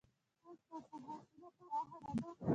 ایا ستاسو حوصله پراخه نه ده؟